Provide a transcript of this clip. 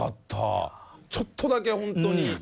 ちょっとだけほんとに。